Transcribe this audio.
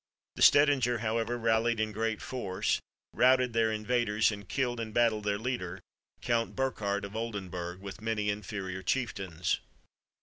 The Stedinger, however, rallied in great force, routed their invaders, and killed in battle their leader, Count Burckhardt of Oldenburg, with many inferior chieftains.